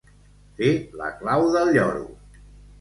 Fer la clau del lloro.